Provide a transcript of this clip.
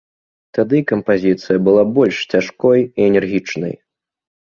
Тады кампазіцыя была больш цяжкой і энергічнай.